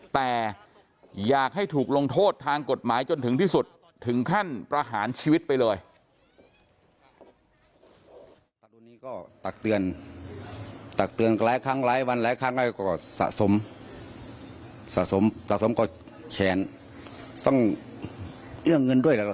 แต่อยากให้ถูกลงโทษทางกฎหมายจนถึงที่สุดถึงขั้นประหารชีวิตไปเลย